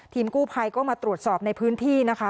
กู้ภัยก็มาตรวจสอบในพื้นที่นะคะ